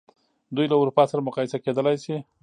دوی له اروپا سره مقایسه کېدلای شي.